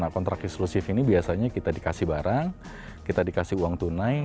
kontrak eksklusif ini biasanya kita dikasih barang kita dikasih uang tunai